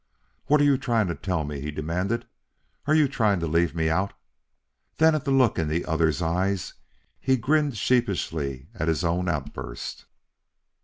"What are you trying to tell me?" he demanded. "Are you trying to leave me out?" Then at the look in the other's eyes he grinned sheepishly at his own outburst.